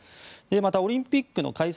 また、オリンピックの開催